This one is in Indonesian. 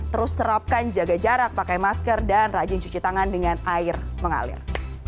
terus terapkan jaga jarak pakai masker dan rajin cuci tangan dengan air mengalir